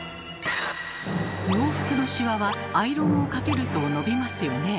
洋服のシワはアイロンをかけると伸びますよね。